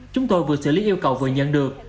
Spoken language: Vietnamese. chúng tôi vừa xử lý yêu cầu vừa nhận được